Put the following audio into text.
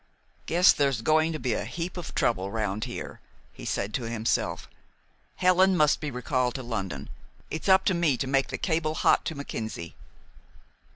"Guess there's going to be a heap of trouble round here," he said to himself. "Helen must be recalled to London. It's up to me to make the cable hot to Mackenzie."